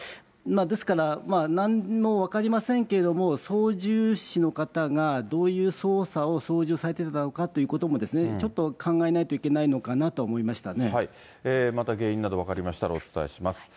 ですから、分かりませんけれども、操縦士の方がどういう操作を、操縦されてたのかということも、ちょっと考えないといけないのかまた原因など分かりましたらお伝えします。